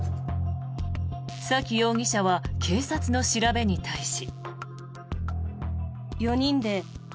沙喜容疑者は警察の調べに対し。